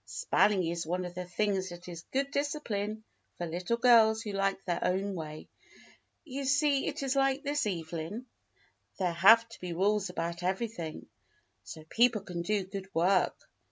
Spelling is one of the things that is good discipline for little girls who like their own way. You see it is like this, Evelyn; there have to be rules about everything, so people can do good work.